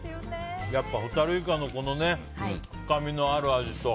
やっぱホタルイカの深みのある味と。